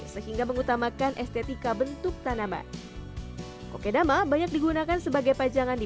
sehingga mengutamakan estetika bentuk tanaman kokedama banyak digunakan sebagai pajangan di